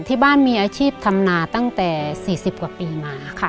ที่บ้านมีอาชีพทำนาตั้งแต่๔๐กว่าปีมาค่ะ